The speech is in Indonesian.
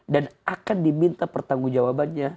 dan akan diminta pertanggung jawabannya